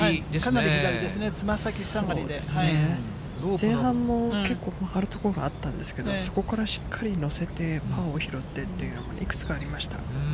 前半も結構、張るところがあったんですけど、そこからしっかり乗せて、パーを拾ってっていうのが、いくつかありました。